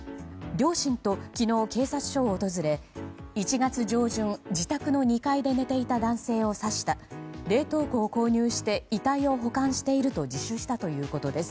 両親と昨日、警察署を訪れ１月上旬、自宅の２階で寝ていた男性を刺した冷凍庫を購入して遺体を保管していると自首したということです。